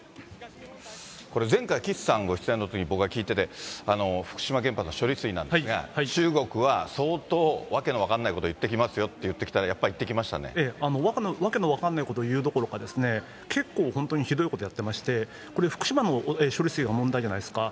これ前回、岸さんご出演のときに僕は聞いてて、福島原発の処理水なんですが、中国は相当訳の分かんないこと言ってきますよって言ってたらやっええ、訳の分からないことを言うどころか、結構本当にひどいことやってまして、これ福島の処理水が問題じゃないですか。